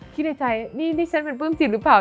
คิดในใจนี่นี่ฉันเป็นปลื้มจิตหรือเปล่า